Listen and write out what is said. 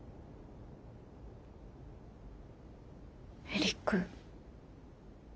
エリック！